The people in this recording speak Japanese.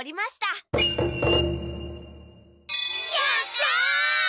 やった！